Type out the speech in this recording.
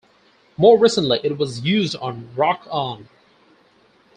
More recently it was used on "Rock On".